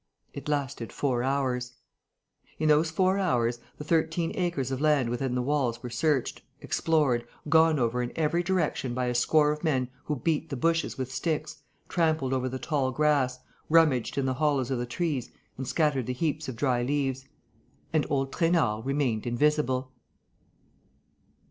It lasted four hours. In those four hours, the thirteen acres of land within the walls were searched, explored, gone over in every direction by a score of men who beat the bushes with sticks, trampled over the tall grass, rummaged in the hollows of the trees and scattered the heaps of dry leaves. And old Trainard remained invisible.